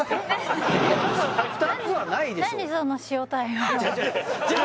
２つはないでしょう